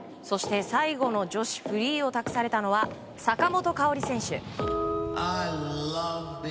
そして、最後の女子フリーを託されたのは坂本花織選手。